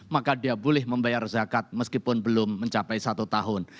maka dia boleh membayar zakat meskipun belum mencapai satu tahun